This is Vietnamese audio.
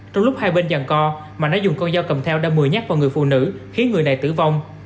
trong lúc hai bên dàn co mạnh đã dùng con dâu cầm theo đâm mười nhát vào người phụ nữ khiến người này tử vong